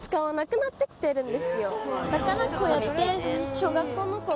だからこうやって。